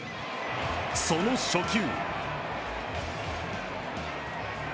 その初球。